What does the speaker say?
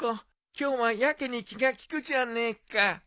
今日はやけに気が利くじゃねえか。